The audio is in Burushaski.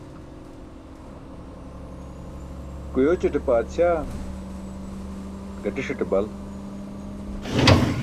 Kuyooćate paatsaa, gatiṣate bal.